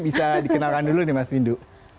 bisa dikenalkan dulu nih mas windu